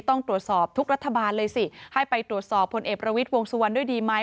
ต้องตรวจสอบทุกรัฐบาลเลยสิให้ไปตรวจสอบพลเอกประวิทย์วงสุวรรณด้วยดีไหม